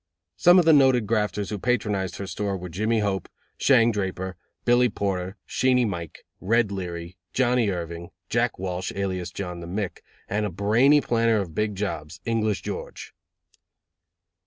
Some of the noted grafters who patronized her store were Jimmy Hope, Shang Draper, Billy Porter, Sheenie Mike, Red Leary, Johnnie Irving, Jack Walsh, alias John the Mick, and a brainy planner of big jobs, English George.